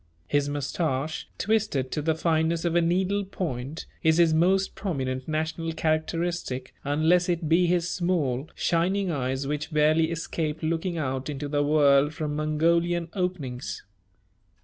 His moustache, twisted to the fineness of a needle point, is his most prominent national characteristic, unless it be his small, shining eyes which barely escape looking out into the world from Mongolian openings.